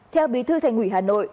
theo bí thư thành ủy hà nội